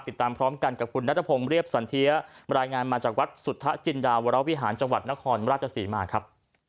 ติดตามพร้อมกันกับคุณนัทพงศ์เรียบสันเทียรายงานมาจากวัดสุทธจินดาวรวิหารจังหวัดนครราชศรีมาครับ